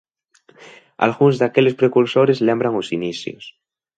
Algúns daqueles precursores lembran os inicios.